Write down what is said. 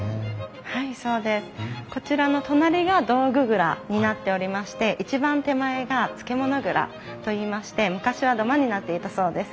はいそうです。こちらの隣が道具蔵になっておりまして一番手前が漬物蔵といいまして昔は土間になっていたそうです。